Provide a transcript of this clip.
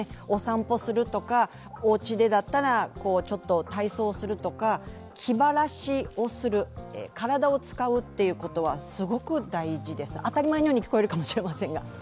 お散歩するとか、おうちでだったらちょっと体操するとか、気晴らしをする体を使うということはすごく大事です、当たり前のように聞こえるかもしれませんが。